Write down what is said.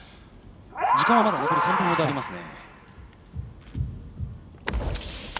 時間はまだ３分ほどありますね。